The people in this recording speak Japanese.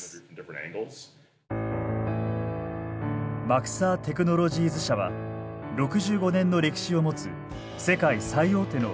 マクサー・テクノロジーズ社は６５年の歴史を持つ世界最大手の宇宙開発企業です。